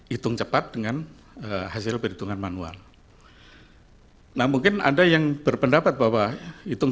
hitung cepat dengan hasil perhitungan manual nah mungkin ada yang berpendapat bahwa hitung